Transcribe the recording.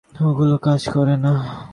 ওগুলো কাজ করে না।